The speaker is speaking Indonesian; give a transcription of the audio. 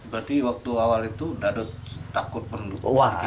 berarti waktu awal itu dadut takut penduduk